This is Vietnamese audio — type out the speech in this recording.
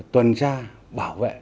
tuần tra bảo vệ